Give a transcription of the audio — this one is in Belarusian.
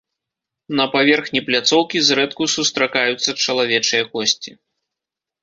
На паверхні пляцоўкі зрэдку сустракаюцца чалавечыя косці.